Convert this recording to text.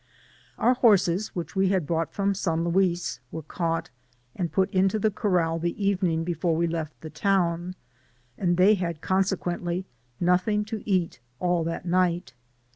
Our horses which we had brought from San Luis were caught, and put into the corral the evening before we left the town, and they had con sequently nothing to eat all that ilight.